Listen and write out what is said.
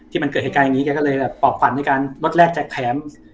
ที่มันเกิดเหตุการณ์อย่างนี้แกก็เลยปอบฝันด้วยการลดแรกแผม